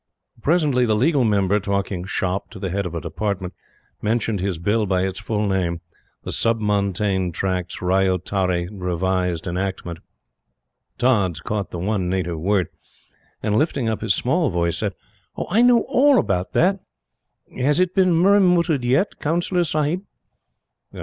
Presently, the Legal Member, talking "shop," to the Head of a Department, mentioned his Bill by its full name "The Sub Montane Tracts Ryotwari Revised Enactment." Tods caught the one native word, and lifting up his small voice said: "Oh, I know ALL about that! Has it been murramutted yet, Councillor Sahib?"